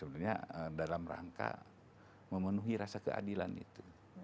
sebenarnya dalam rangka memenuhi rasa keadilan itu